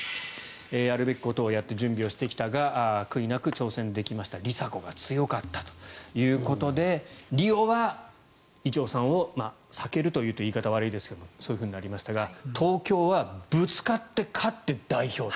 やるべきことをやって準備をしてきたが悔いなく挑戦できました梨紗子が強かったということでリオは伊調さんを避けると言うと言い方が悪いですがそういうふうになりましたが東京はぶつかって勝って代表。